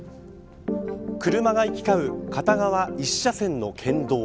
車が行き交う片側１車線の県道。